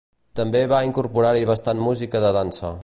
També va incorporar-hi bastant música de dansa.